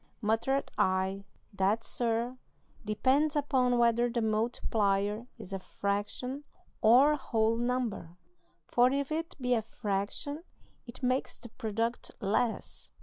Muttered I: 'That, sir, depends upon whether the multiplier is a fraction or a whole number; for if it be a fraction, it makes the product less.'